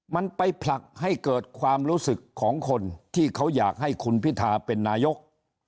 มันไปผลักให้เกิดความรู้สึกของคนที่เขาอยากให้คุณพิธาเป็นนายก